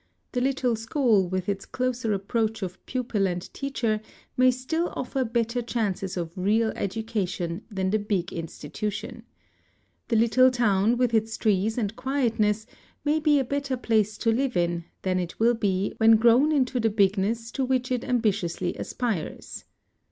The little school with its closer approach of pupil and teacher may still offer better chances of real education than the big institution. The little town with its trees and quietness may be a better place to live in than it will be when grown into the bigness to which it Digitized by Google Little Nations 217 ambitiously aspires.